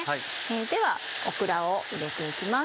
ではオクラを入れて行きます。